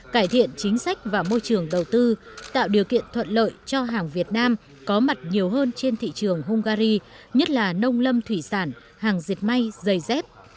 cải thiện chính sách và môi trường đầu tư tạo điều kiện thuận lợi cho hàng việt nam có mặt nhiều hơn trên thị trường hungary nhất là nông lâm thủy sản hàng diệt may giày dép